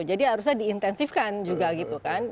jadi harusnya diintensifkan juga gitu kan